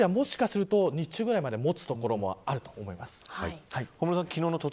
土曜日はもしかすると日中ぐらいまでもつ所もあると思います。